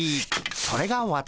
それが私。